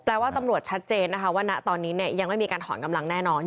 แปลว่าตำรวจชัดเจนว่าตอนนี้ยังไม่มีการหออนกำลังสัดน้ำ